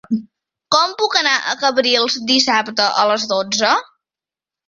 Com puc anar a Cabrils dissabte a les dotze?